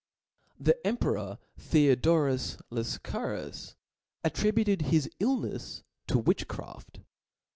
The emperor I'beodorus Lafcaris attributed his illnefs to witchcraft.